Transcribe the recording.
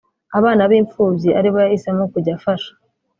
abana b’imfubyi aribo yahisemo kujya gufasha